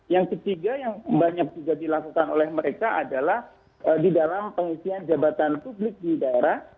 yang ketiga yang banyak juga dilakukan oleh mereka adalah di dalam pengisian jabatan publik di daerah